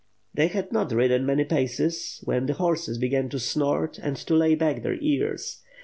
They had not ridden many paces when the horses began to snort and to lay back their ears.